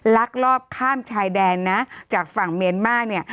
ลักลอบข้ามชายแดนนะจากฝั่งเมียนมาร์เนี่ย